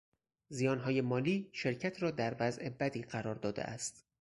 زیانهای مالی شرکت را در وضع بدی قرار داده است.